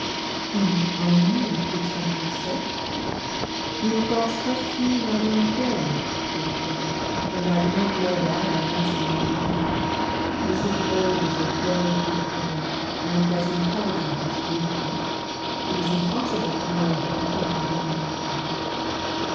'Then you own the impeachment yourself.' 'You cross question me rather unfairly,' he replied, 'and I do not know why I answer you at all. Mrs Bold is a very beautiful woman, and as intelligent as beautiful. It is impossible to know her without admiring her.'